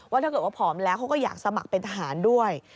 ถ้าเกิดว่าผอมแล้วเขาก็อยากสมัครเป็นทหารด้วย